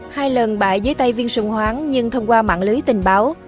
hai lần bại dưới tay viên sùng hoáng nhưng thông qua mạng lưới tình báo